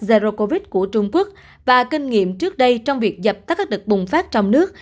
zero covid của trung quốc và kinh nghiệm trước đây trong việc dập tắt các đợt bùng phát trong nước